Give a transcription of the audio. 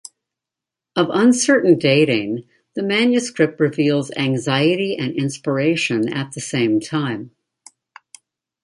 Of uncertain dating, the manuscript reveals anxiety and inspiration at the same time.